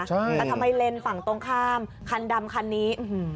แต่ทำไมเลนส์ฝั่งตรงข้ามคันดำคันนี้